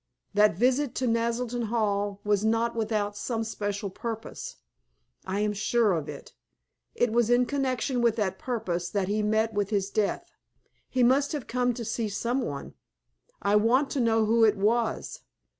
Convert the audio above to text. That visit to Naselton Hall was not without some special purpose. I am sure of it. It was in connection with that purpose that he met with his death. He must have come to see some one. I want to know who it was.